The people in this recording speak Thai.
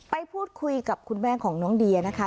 ไปพูดคุยกับคุณแม่ของน้องเดียนะคะ